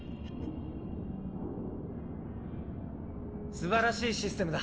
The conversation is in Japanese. すばらしいシステムだ。